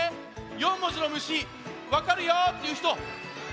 ４文字の虫わかるよっていうひと？